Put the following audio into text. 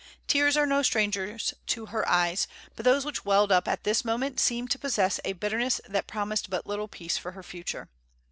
Tears are no strangers to her eyes, but those which welled up at this moment seemed to possess a bitterness that promised but little peace for her future.